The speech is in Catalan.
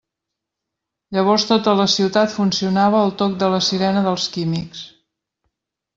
Llavors tota la ciutat funcionava al toc de la sirena dels Químics.